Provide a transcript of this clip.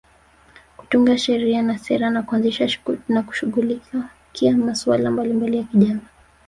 Kutunga sheria na sera na kuanzisha na kushughulikia masuala mbalimbali ya kijamii